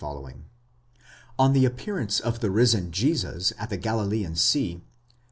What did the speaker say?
On the appearance of the risen Jesus at the Galilean sea (xxi.)